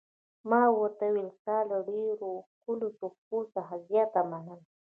ما ورته وویل: ستا له ډېرو او ښکلو تحفو څخه زیاته مننه.